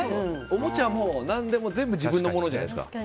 おもちゃも何でも全部自分のものじゃないですか。